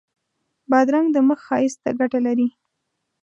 بادرنګ د مخ ښایست ته ګټه لري.